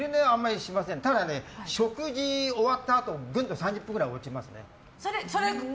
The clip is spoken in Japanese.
ただ、食事終わったあと３０分くらい寝ちゃいますね。